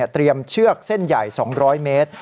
เตรียมเชือกเส้นใหญ่๒๐๐เมตร